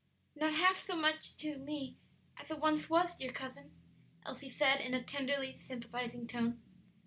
"Not half so much so to me as it once was, dear cousin," Elsie said, in a tenderly sympathizing tone.